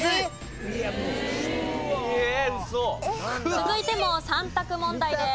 続いても３択問題です。